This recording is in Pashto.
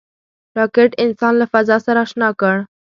راکټ انسان له فضا سره اشنا کړ